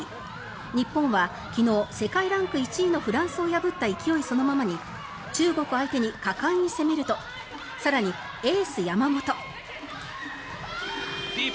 日本は昨日、世界ランク１位のフランスを破った勢いそのままに中国を相手に果敢に攻めると更にエース、山本。